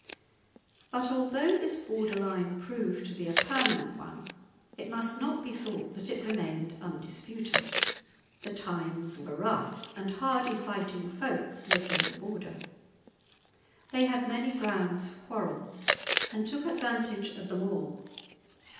But although this border line proved to be a permanent one, it must not be thought that it remained undisputed. The times were rough, and hardy fighting folk lived on the Border. They had many grounds for quarrel, and took advantage of them all.